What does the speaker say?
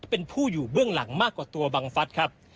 เป็นผู้อยู่เบื้องหลังมากกว่าตัวบังฟัฐครับ